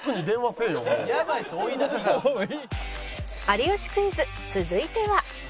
『有吉クイズ』続いては